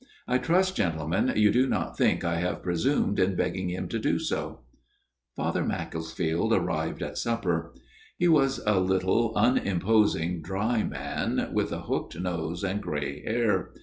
I trust, gentlemen, you do not think I have presumed in begging him to do so." Father Macclesfield arrived at supper. He was a little unimposing dry man, with a hooked nose, and grey hair.